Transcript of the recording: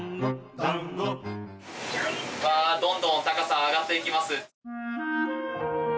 どんどん高さが上がっていきます。